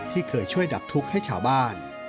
ที่เคยช่วยดับทุกข์ให้ชาวบ้าน